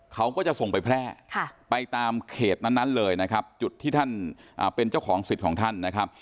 เขาก็จะส่งไปแพร่ไปตามเขตนั้นเลยนะครับจุดที่ท่านเป็นเจ้าของสิทธิ์ของท่านนะครับ